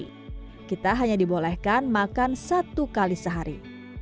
tapi kita hanya dibolehkan makan satu kali sehari